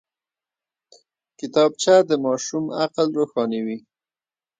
کتابچه د ماشوم عقل روښانوي